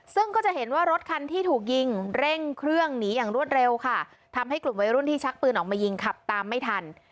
ซึ่งก็จะเห็นว่ารถคันที่ถูกยิงเร่งเครื่องหนีอย่างรวดเร็วค่ะทำให้กลุ่มวัยรุ่นที่ชักปืนออกมายิงขับตามไม่ทัน